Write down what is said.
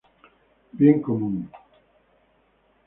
Bien Común.